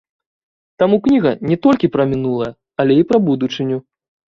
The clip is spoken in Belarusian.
Таму кніга не толькі пра мінулае, але і пра будучыню.